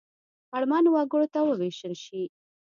اړمنو وګړو ته ووېشل شي.